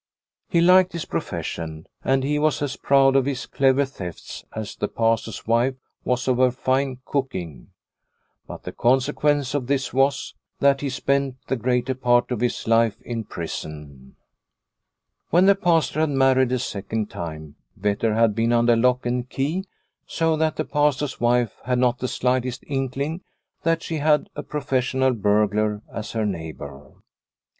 He liked his profession, and he was as proud of his clever thefts as the Pastor's wife was of her fine cooking. But the consequence of this was A Spring Evening 213 that he spent the greater part of his life in prison. When the Pastor had married a second time, Vetter had been under lock and key, so that the Pastor's wife had not the slightest inkling that she had a professional burglar as her neighbour.